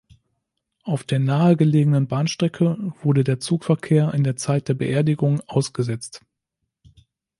Auf der nahe gelegenen Bahnstrecke wurde der Zugverkehr in der Zeit der Beerdigung ausgesetzt.